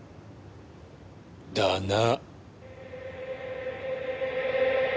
だな。